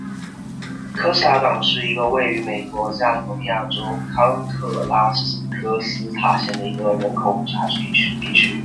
科斯塔港是位于美国加利福尼亚州康特拉科斯塔县的一个人口普查指定地区。